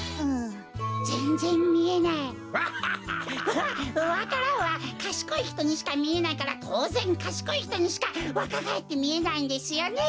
わわか蘭はかしこいひとにしかみえないからとうぜんかしこいひとにしかわかがえってみえないんですよね。